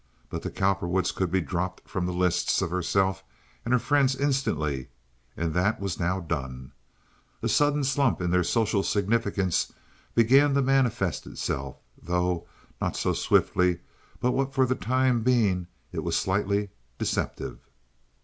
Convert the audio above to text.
But the Cowperwoods could be dropped from the lists of herself and her friends instantly, and that was now done. A sudden slump in their social significance began to manifest itself, though not so swiftly but what for the time being it was slightly deceptive.